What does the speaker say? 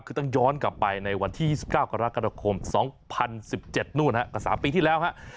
คือต้องย้อนกลับไปในวันที่๒๙กรกฎาคม๒๐๑๗นู่นฮะก็๓ปีที่แล้วฮะ